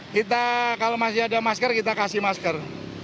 kita kalau masih ada masker kita kasih masker